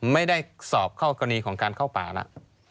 ไม่ได้สอบเข้ากรณีของการเข้าป่าแล้ว